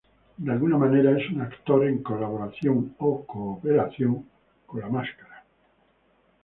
De alguna manera es un actor en colaboración o cooperación con la máscara.